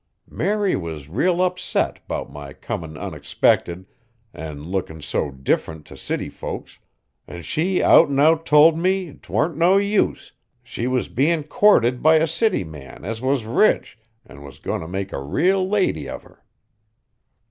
Mary was real upset 'bout my comin' onexpected an' lookin' so different to city folks, an' she out an' out told me 't warn't no use, she was bein' courted by a city man as was rich, an' goin' t' make a real lady of her."